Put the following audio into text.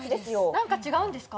何か違うんですか？